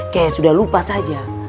kayak sudah lupa saja